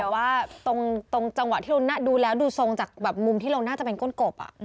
แต่ว่าตรงจังหวะที่เราดูแล้วดูทรงจากแบบมุมที่เราน่าจะเป็นก้นกบ